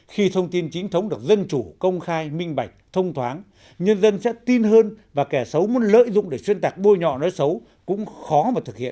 khi thông tin chính thống được dân chủ công khai minh bạch thông thoáng nhân dân sẽ tin hơn và kẻ xấu muốn lợi dụng để xuyên tạc bôi nhọ nói xấu cũng khó mà thực hiện